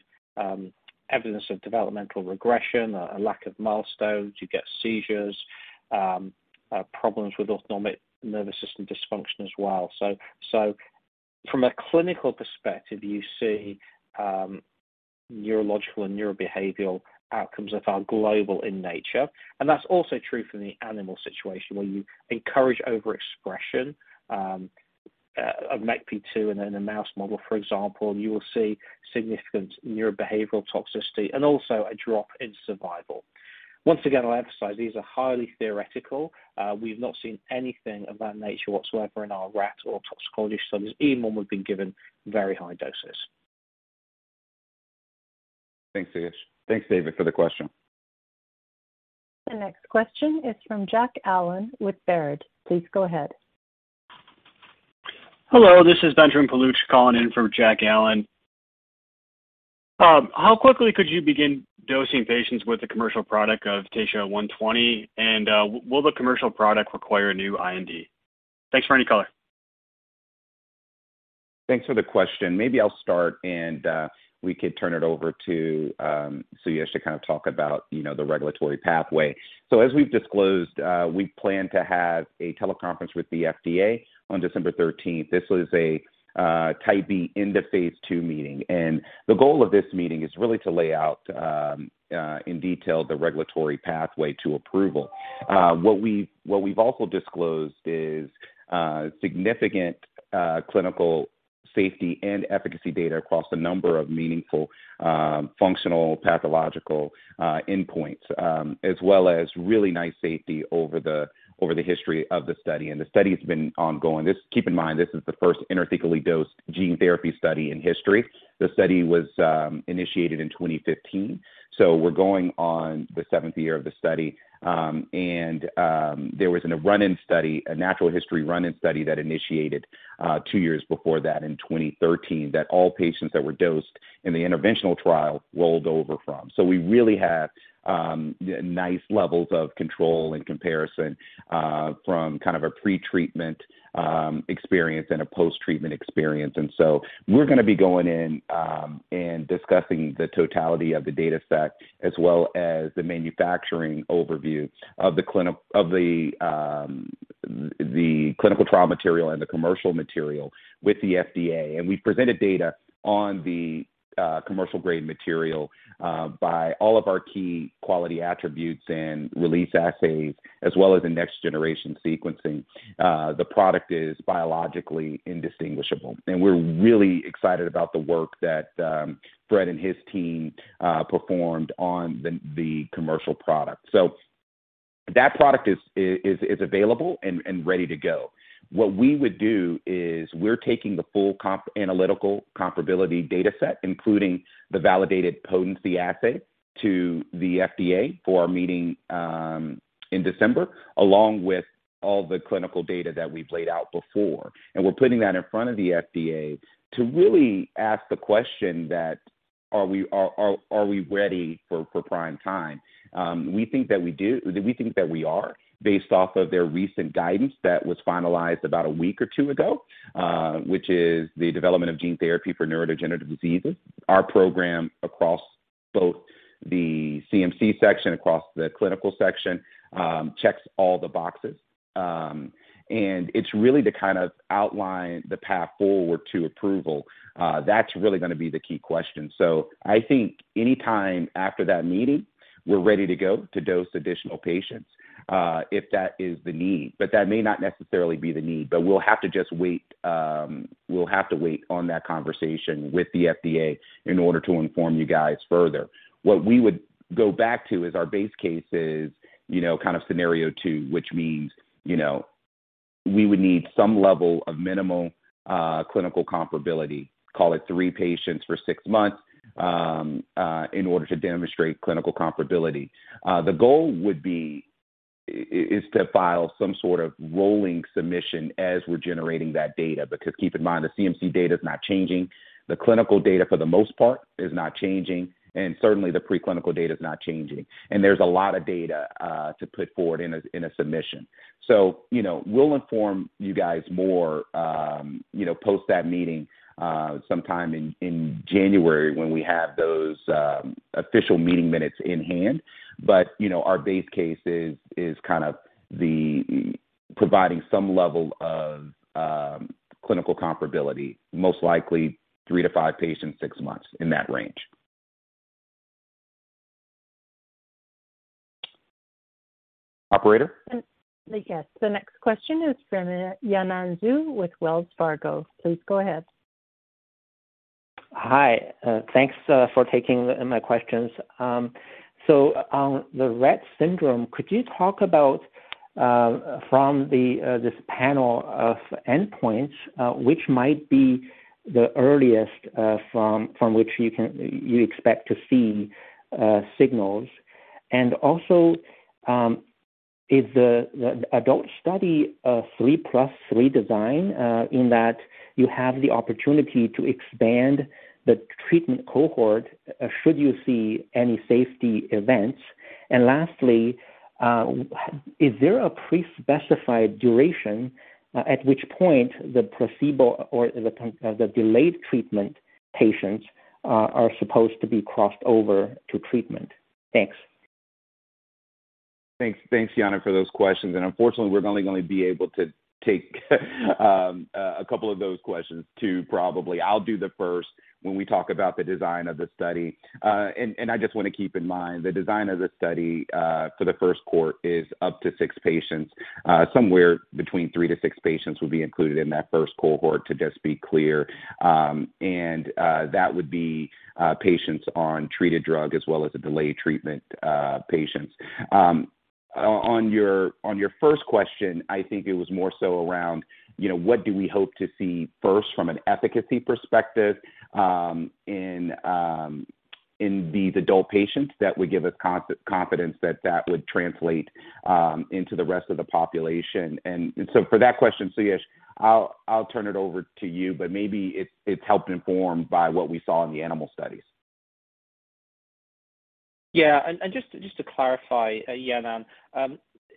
evidence of developmental regression, a lack of milestones. You get seizures, problems with autonomic nervous system dysfunction as well. From a clinical perspective, you see neurological and neurobehavioral outcomes that are global in nature, and that's also true for the animal situation where you encourage overexpression. Of MECP2 in a mouse model, for example, you will see significant neurobehavioral toxicity and also a drop in survival. Once again, I'll emphasize these are highly theoretical. We've not seen anything of that nature whatsoever in our rat or toxicology studies, even when we've been given very high doses. Thanks, Suyash. Thanks, David, for the question. The next question is from Jack Allen with Baird. Please go ahead. Hello, this is Benjamin Paluch calling in from Jack Allen. How quickly could you begin dosing patients with the commercial product of TSHA-120, and will the commercial product require a new IND? Thanks for any color. Thanks for the question. Maybe I'll start and we could turn it over to Suyash to kind of talk about, you know, the regulatory pathway. As we've disclosed, we plan to have a teleconference with the FDA on December thirteenth. This is a Type B end of phase II meeting, and the goal of this meeting is really to lay out in detail the regulatory pathway to approval. What we've also disclosed is significant clinical safety and efficacy data across a number of meaningful functional pathological endpoints as well as really nice safety over the history of the study, and the study's been ongoing. Keep in mind, this is the first intrathecally dosed gene therapy study in history. The study was initiated in 2015, so we're going on the 7th year of the study. There was a run-in study, a natural history run-in study that initiated two years before that in 2013 that all patients that were dosed in the interventional trial rolled over from. We really have nice levels of control and comparison from kind of a pre-treatment experience and a post-treatment experience. We're gonna be going in and discussing the totality of the data set as well as the manufacturing overview of the clinical trial material and the commercial material with the FDA. We've presented data on the commercial grade material by all of our key quality attributes and release assays as well as the next-generation sequencing. The product is biologically indistinguishable, and we're really excited about the work that Fred and his team performed on the commercial product. That product is available and ready to go. What we would do is we're taking the full analytical comparability data set, including the validated potency assay to the FDA for our meeting in December, along with all the clinical data that we've laid out before. We're putting that in front of the FDA to really ask the question that, are we ready for prime time? We think that we are based off of their recent guidance that was finalized about a week or two ago, which is the development of gene therapy for neurodegenerative diseases. Our program across both the CMC section, across the clinical section, checks all the boxes. It's really to kind of outline the path forward to approval. That's really gonna be the key question. I think any time after that meeting, we're ready to go to dose additional patients, if that is the need. That may not necessarily be the need, but we'll have to just wait. We'll have to wait on that conversation with the FDA in order to inform you guys further. What we would go back to is our base case, you know, kind of scenario two, which means, you know, we would need some level of minimal clinical comparability, call it three patients for six months, in order to demonstrate clinical comparability. The goal would be to file some sort of rolling submission as we're generating that data, because keep in mind, the CMC data is not changing, the clinical data for the most part is not changing, and certainly the preclinical data is not changing. There's a lot of data to put forward in a submission. You know, we'll inform you guys more, you know, post that meeting, sometime in January when we have those official meeting minutes in hand. You know, our base case is kind of providing some level of clinical comparability, most likely three to five patients, six months in that range. Operator? Yes. The next question is from Yanan Zhu with Wells Fargo. Please go ahead. Hi. Thanks for taking my questions. On the Rett syndrome, could you talk about from this panel of endpoints which might be the earliest from which you expect to see signals? Also, is the adult study a 3 + 3 design in that you have the opportunity to expand the treatment cohort should you see any safety events? Lastly, is there a pre-specified duration at which point the placebo or the delayed treatment patients are supposed to be crossed over to treatment? Thanks. Thanks. Thanks, Yanan, for those questions. Unfortunately, we're only going to be able to take a couple of those questions too, probably. I'll do the first when we talk about the design of the study. I just want to keep in mind the design of the study for the first cohort is up to six patients. Somewhere between three to six patients will be included in that first cohort, to just be clear. That would be patients on untreated drug as well as the delayed treatment patients. On your first question, I think it was more so around, you know, what do we hope to see first from an efficacy perspective, in these adult patients that would give us confidence that that would translate into the rest of the population. For that question, Suyash, I'll turn it over to you, but maybe it's helped inform by what we saw in the animal studies. Yeah. Just to clarify, Yanan,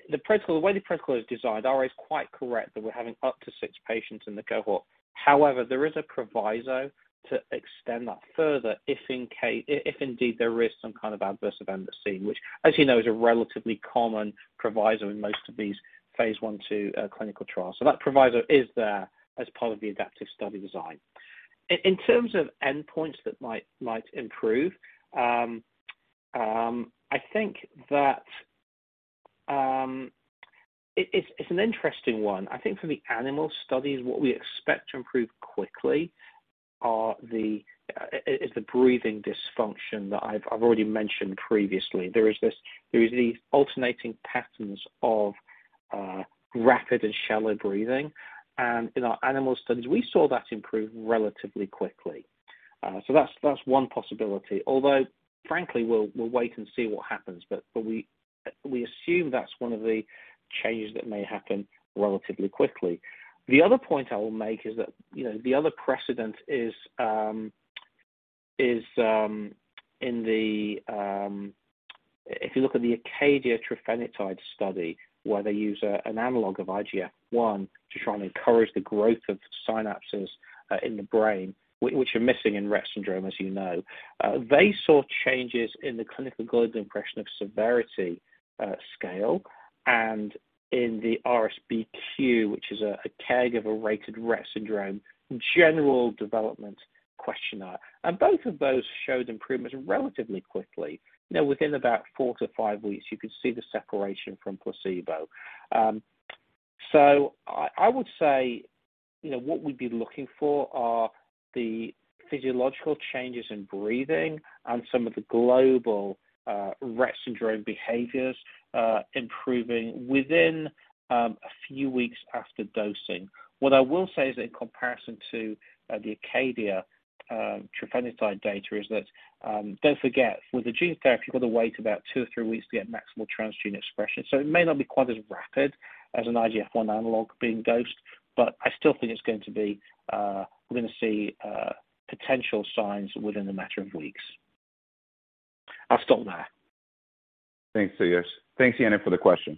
the protocol, the way the protocol is designed, R.A.'s quite correct that we're having up to six patients in the cohort. However, there is a proviso to extend that further if indeed there is some kind of adverse event that's seen, which as you know, is a relatively common proviso in most of these phase I, II clinical trials. That proviso is there as part of the adaptive study design. In terms of endpoints that might improve, I think that it's an interesting one. I think for the animal studies, what we expect to improve quickly is the breathing dysfunction that I've already mentioned previously. There are these alternating patterns of rapid and shallow breathing. In our animal studies, we saw that improve relatively quickly. That's one possibility, although frankly, we'll wait and see what happens. We assume that's one of the changes that may happen relatively quickly. The other point I will make is that, you know, the other precedent is. If you look at the Acadia trofinetide study, where they use an analog of IGF-I to try and encourage the growth of synapses in the brain, which are missing in Rett syndrome, as you know. They saw changes in the Clinical Global Impression of Severity scale and in the RSBQ, which is a caregiver-rated Rett syndrome general development questionnaire. Both of those showed improvements relatively quickly. You know, within about four to five weeks, you could see the separation from placebo. I would say, you know, what we'd be looking for are the physiological changes in breathing and some of the global Rett syndrome behaviors improving within a few weeks after dosing. What I will say is that in comparison to the Acadia trofinetide data is that don't forget, with the gene therapy, you've got to wait about two or three weeks to get maximal transgene expression. It may not be quite as rapid as an IGF-I analog being dosed, but I still think it's going to be, we're gonna see potential signs within a matter of weeks. I'll stop there. Thanks, Suyash. Thanks, Yanan, for the question.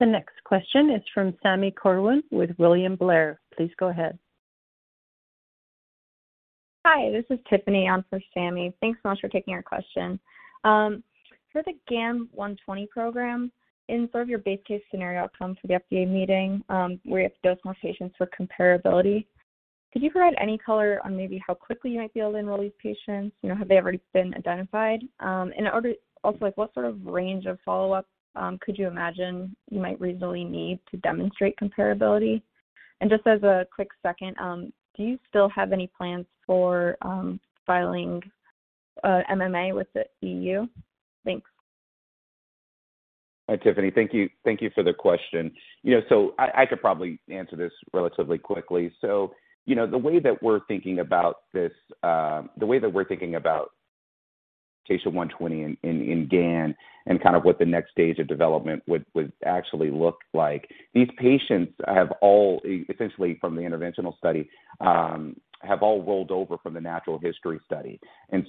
The next question is from Sami Corwin with William Blair. Please go ahead. Hi, this is Tiffany on for Sami. Thanks so much for taking our question. For the GAN 120 program, in sort of your base case scenario outcome for the FDA meeting, where you have to dose more patients for comparability, could you provide any color on maybe how quickly you might be able to enroll these patients? You know, have they already been identified? Also, like what sort of range of follow-up could you imagine you might reasonably need to demonstrate comparability? Just as a quick second, do you still have any plans for filing MAA with the E.U.? Thanks. Hi, Tiffany. Thank you. Thank you for the question. You know, I could probably answer this relatively quickly. You know, the way that we're thinking about this, the way that we're thinking about patient 120 in GAN and kind of what the next stage of development would actually look like, these patients have all essentially from the interventional study have rolled over from the natural history study.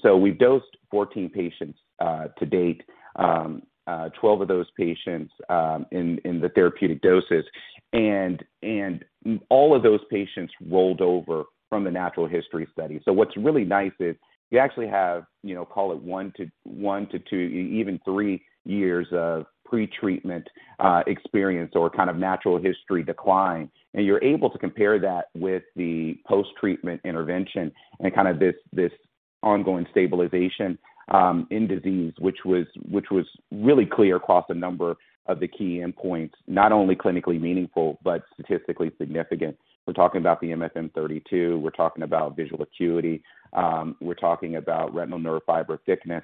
We've dosed 14 patients to date, 12 of those patients in the therapeutic doses, and all of those patients rolled over from the natural history study. What's really nice is you actually have, you know, call it 1 to two, even three years of pretreatment experience or kind of natural history decline. You're able to compare that with the post-treatment intervention and kind of this ongoing stabilization in disease, which was really clear across a number of the key endpoints, not only clinically meaningful, but statistically significant. We're talking about the MFM32, we're talking about visual acuity, we're talking about retinal nerve fiber thickness.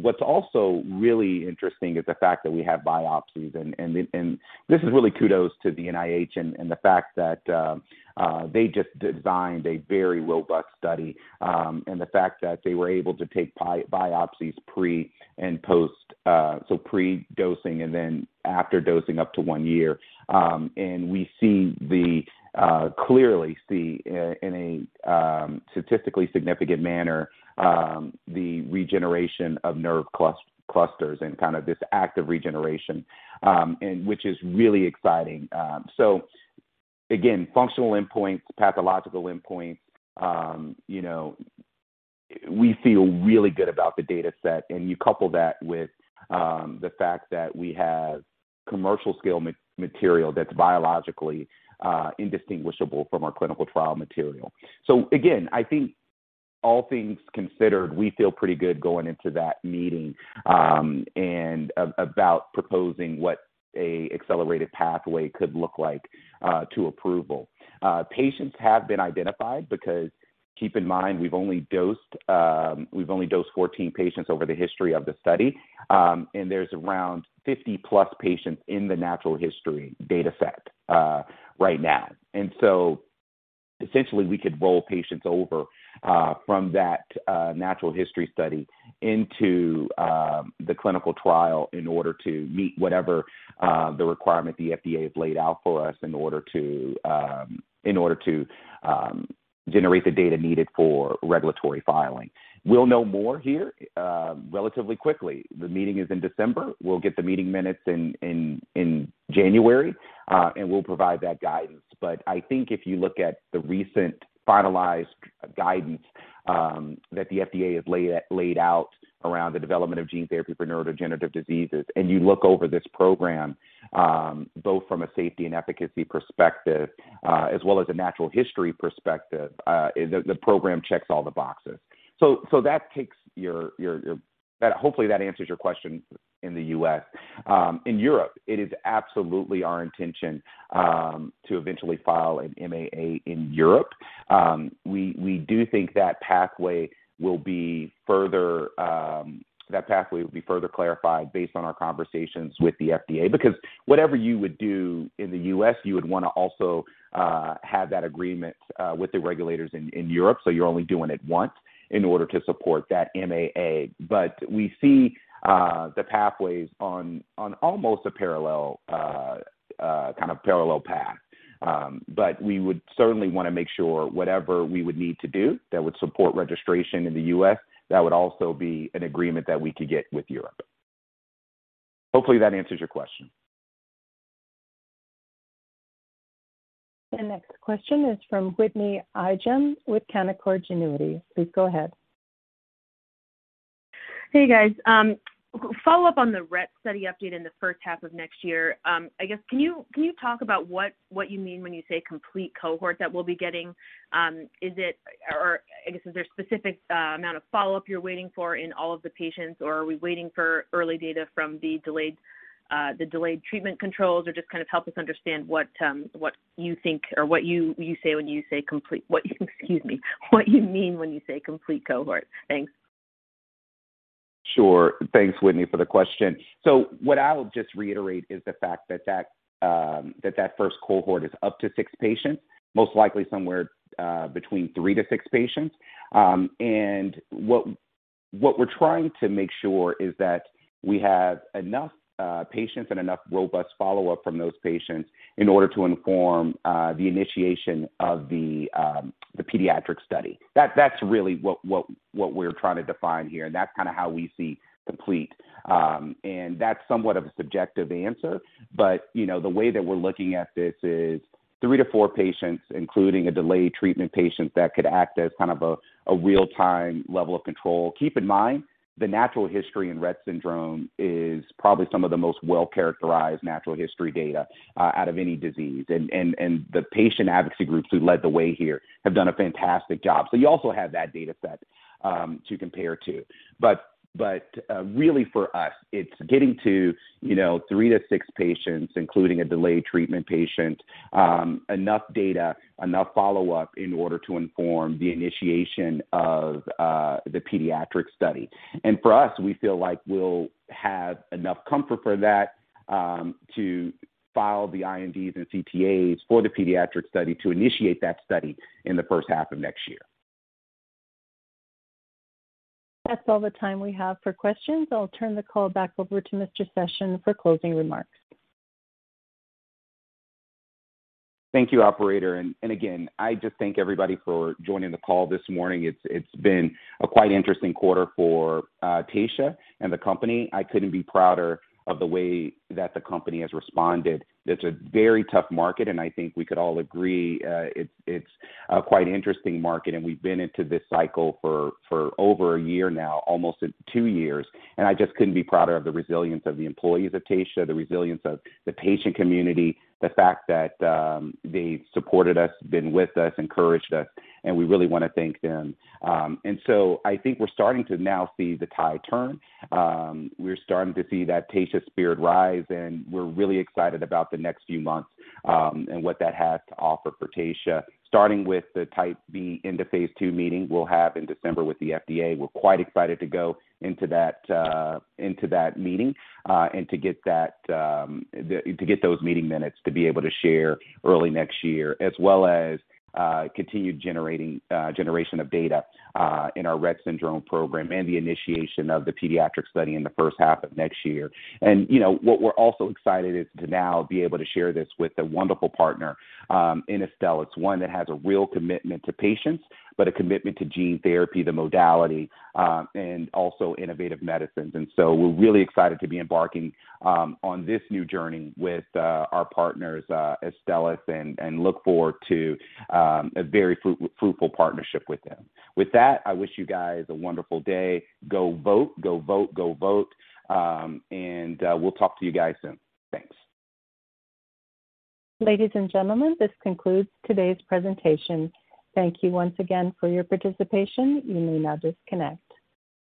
What's also really interesting is the fact that we have biopsies and this is really kudos to the NIH and the fact that they just designed a very robust study and the fact that they were able to take biopsies pre and post, so pre-dosing and then after dosing up to one year. We clearly see in a statistically significant manner the regeneration of nerve clusters and kind of this active regeneration, which is really exciting. Again, functional endpoints, pathological endpoints, you know, we feel really good about the data set, and you couple that with the fact that we have commercial-scale material that's biologically indistinguishable from our clinical trial material. Again, I think all things considered, we feel pretty good going into that meeting and about proposing what an accelerated pathway could look like to approval. Patients have been identified because keep in mind, we've only dosed 14 patients over the history of the study. There's around 50-plus patients in the natural history data set right now. Essentially, we could roll patients over from that natural history study into the clinical trial in order to meet whatever the requirement the FDA has laid out for us in order to generate the data needed for regulatory filing. We'll know more here relatively quickly. The meeting is in December. We'll get the meeting minutes in January and we'll provide that guidance. But I think if you look at the recent finalized guidance that the FDA has laid out around the development of gene therapy for neurodegenerative diseases, and you look over this program both from a safety and efficacy perspective as well as a natural history perspective, the program checks all the boxes. So that takes your. That hopefully answers your question in the U.S.. In Europe, it is absolutely our intention to eventually file an MAA in Europe. We do think that pathway will be further clarified based on our conversations with the FDA. Because whatever you would do in the U.S., you would wanna also have that agreement with the regulators in Europe, so you're only doing it once in order to support that MAA. We see the pathways on almost a parallel kind of parallel path. We would certainly wanna make sure whatever we would need to do that would support registration in the U.S., that would also be an agreement that we could get with Europe. Hopefully that answers your question. The next question is from Whitney Ijem with Canaccord Genuity. Please go ahead. Hey, guys. Follow-up on the Rett study update in the first half of next year. I guess can you talk about what you mean when you say complete cohort that we'll be getting? Is it or I guess, is there a specific amount of follow-up you're waiting for in all of the patients, or are we waiting for early data from the delayed treatment controls? Or just kind of help us understand what you think or what you say when you say complete cohort. Excuse me. What you mean when you say complete cohort. Thanks. Sure. Thanks, Whitney, for the question. What I'll just reiterate is the fact that that first cohort is up to six patients, most likely somewhere between three to six patients. What we're trying to make sure is that we have enough patients and enough robust follow-up from those patients in order to inform the initiation of the pediatric study. That's really what we're trying to define here, and that's kinda how we see complete. That's somewhat of a subjective answer, but you know, the way that we're looking at this is three to four patients, including a delayed treatment patient that could act as kind of a real-time level of control. Keep in mind, the natural history in Rett syndrome is probably some of the most well-characterized natural history data out of any disease. The patient advocacy groups who led the way here have done a fantastic job. You also have that data set to compare to. Really for us, it's getting to thre to six patients, including a delayed treatment patient, enough data, enough follow-up in order to inform the initiation of the pediatric study. For us, we feel like we'll have enough comfort for that to file the INDs and CTAs for the pediatric study to initiate that study in the first half of next year. That's all the time we have for questions. I'll turn the call back over to Mr. Session for closing remarks. Thank you, operator. Again, I just thank everybody for joining the call this morning. It's been a quite interesting quarter for Taysha and the company. I couldn't be prouder of the way that the company has responded. It's a very tough market, and I think we could all agree, it's a quite interesting market, and we've been in this cycle for over a year now, almost two years. I just couldn't be prouder of the resilience of the employees at Taysha, the resilience of the patient community, the fact that they've supported us, been with us, encouraged us, and we really wanna thank them. I think we're starting to now see the tide turn. We're starting to see that Taysha spirit rise, and we're really excited about the next few months, and what that has to offer for Taysha, starting with the Type B end-of-phase II meeting we'll have in December with the FDA. We're quite excited to go into that meeting, and to get those meeting minutes to be able to share early next year, as well as continued generation of data in our Rett syndrome program and the initiation of the pediatric study in the first half of next year. You know, what we're also excited is to now be able to share this with a wonderful partner in Astellas, one that has a real commitment to patients, but a commitment to gene therapy, the modality, and also innovative medicines. We're really excited to be embarking on this new journey with our partners Astellas and look forward to a very fruitful partnership with them. With that, I wish you guys a wonderful day. Go vote. We'll talk to you guys soon. Thanks. Ladies and gentlemen, this concludes today's presentation. Thank you once again for your participation. You may now disconnect.